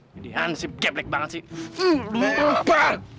jadi hansip geblek banget sih